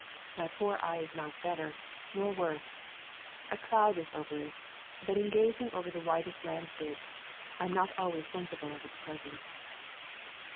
My poor eye is not better, nor worse. A cloud is over it, but in gazing over the widest landscapes, I am not always sensible of its presence."